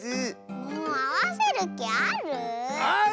もうあわせるきある？